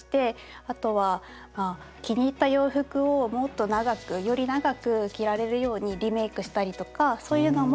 あとはまあ気に入った洋服をもっと長くより長く着られるようにリメイクしたりとかそういうのもやっています。